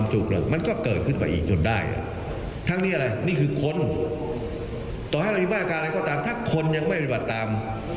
ต่อให้เรามีบรรยากาศก็ตามถ้าคนยังไม่มีบรรยาตาม